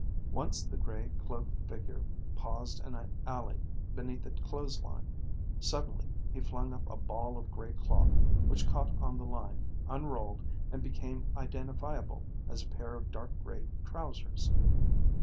Once the gray cloaked figure paused in an alley beneath a clothes line. Suddenly he flung up a ball of gray cloth, which caught on the line, unrolled, and became identifiable as a pair of dark gray trousers.